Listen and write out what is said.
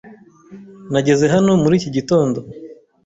Nageze hano muri iki gitondo.